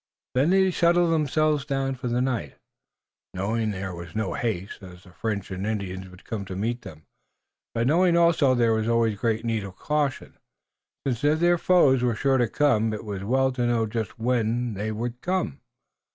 Then they settled themselves for the night, knowing there was no haste, as the French and Indians would come to meet them, but knowing also there was always great need of caution, since if their foes were sure to come it was well to know just when they would come.